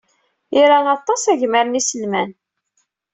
Ira aṭas agmar n yiselman.